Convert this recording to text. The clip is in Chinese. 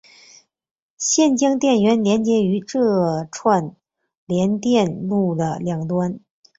现将电源连接于这串联电路的两端。